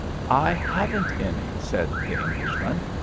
I haven't any," said the Englishman.